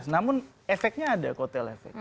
namun efeknya ada kotel efek